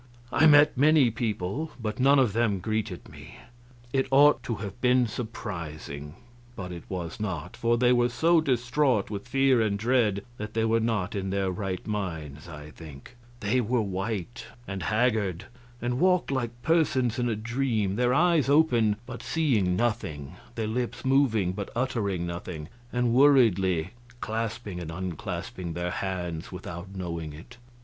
I met many people, but none of them greeted me. It ought to have been surprising, but it was not, for they were so distraught with fear and dread that they were not in their right minds, I think; they were white and haggard, and walked like persons in a dream, their eyes open but seeing nothing, their lips moving but uttering nothing, and worriedly clasping and unclasping their hands without knowing it.